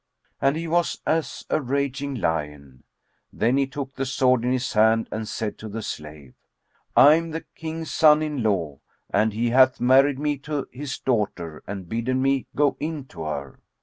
And he was as a raging lion. Then he took the sword in his hand and said to the slave, "I am the King's son in law, and he hath married me to his daughter and bidden me go in to her."